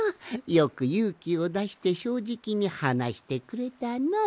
よくゆうきをだしてしょうじきにはなしてくれたのう。